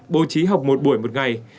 bố trí học một buổi một ngày